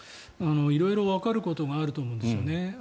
色々わかることがあると思うんですよね。